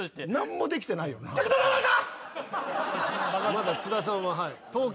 まだ津田さんは。